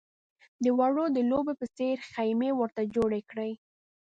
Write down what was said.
د وړو د لوبو په څېر خېمې ورته جوړې کړې.